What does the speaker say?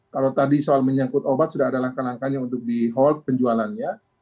kalau tadi soal menyangkut obat sudah ada langkah langkahnya untuk di hold penjualannya